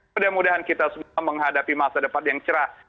mudah mudahan kita semua menghadapi masa depan yang cerah